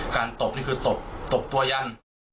ตบนี่คือตบตบตัวยัน